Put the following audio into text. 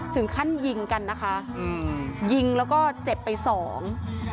ถึงขั้นยิงกันนะคะอืมยิงแล้วก็เจ็บไปสอง